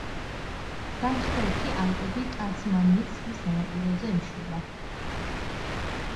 სამხრეთი ალპები ტასმანიის ზღვის სანაპიროზე ეშვება.